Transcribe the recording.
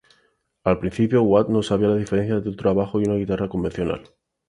Al principio Watt no sabía la diferencia entre un bajo y una guitarra convencional.